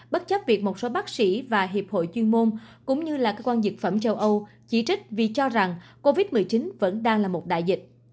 bất chấp việc một số bác sĩ và hiệp hội chuyên môn cũng như là cơ quan dược phẩm châu âu chỉ trích vì cho rằng covid một mươi chín vẫn đang là một đại dịch